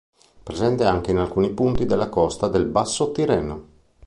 È presente anche in alcuni punti della costa del basso Tirreno.